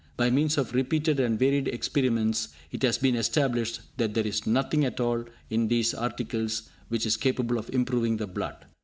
By means of repeated and varied experiments it has been established that there is nothing at all in these articles which is capable of improving the blood.